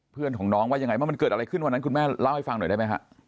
เพื่อนของน้องว่ายังไงว่ามันเกิดอะไรขึ้นวันนั้นคุณแม่เล่าให้ฟังหน่อยได้ไหมฮะ